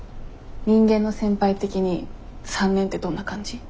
人間の先輩的に３年ってどんな感じ？